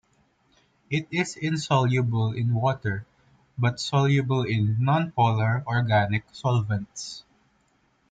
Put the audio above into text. It is insoluble in water, but soluble in nonpolar organic solvents.